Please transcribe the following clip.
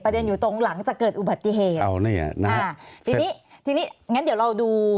เด็นอยู่ตรงหลังจากเกิดอุบัติเหตุเอาเนี่ยนะฮะทีนี้ทีนี้งั้นเดี๋ยวเราดู